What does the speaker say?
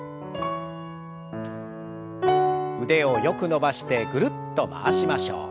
腕をよく伸ばしてぐるっと回しましょう。